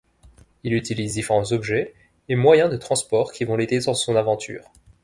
Il utilise différents objets et moyens de transport qui vont l'aider dans son aventure.